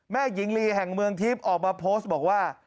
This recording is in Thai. หญิงลีแห่งเมืองทิพย์ออกมาโพสต์บอกว่า